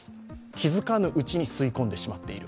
気付かぬうちに吸い込んでしまっている。